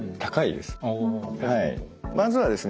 まずはですね